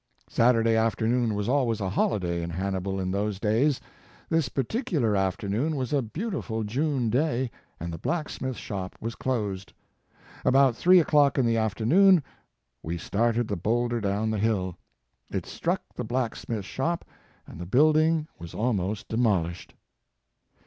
Saturday afternoon was always a holiday in Hannibal in those days. This particular afternoon was a beautiful June day, and the blacksmith shop was closed. About three o clock in the afternoon we started the boulder down the hill. It struck the blacksmith shop and the building was almost demolished.